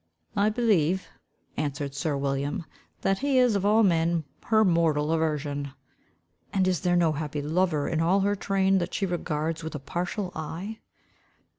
"I believe," answered sir William, "that he is of all men her mortal aversion." "And is there no happy lover in all her train, that she regards with a partial eye?"